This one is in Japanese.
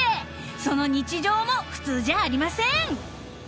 その日常も普通じゃありません］